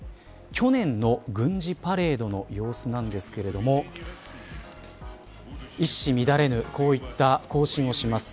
去年の軍事パレードの様子なんですけれども一糸乱れぬこういった行進をします。